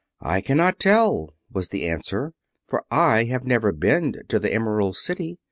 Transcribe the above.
"I cannot tell," was the answer, "for I have never been to the Emerald City.